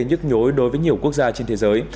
nhức nhối đối với nhiều quốc gia trên thế giới